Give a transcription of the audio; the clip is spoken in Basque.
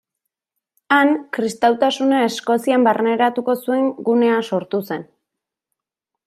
Han, kristautasuna Eskozian barneratuko zuen gunea sortu zen.